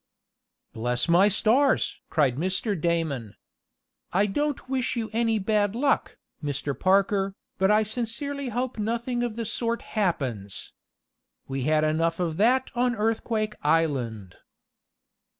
"Bless my stars!" cried Mr. Damon. "I don't wish you any bad luck, Mr. Parker, but I sincerely hope nothing of the sort happens! We had enough of that on Earthquake Island!"